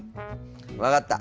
分かった！